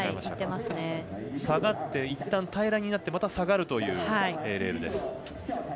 下がっていったん平らになってまた下がるというレールです。